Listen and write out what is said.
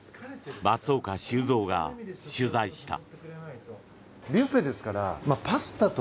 松岡修造が取材した。